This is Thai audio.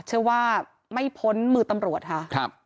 เชื่อว่าไม่พ้นมือตำรวจค่ะ